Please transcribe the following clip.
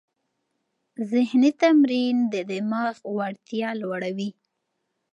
ذهني تمرین د دماغ وړتیا لوړوي.